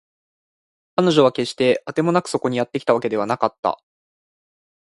彼女は決してあてもなくそこにやってきたわけではなかった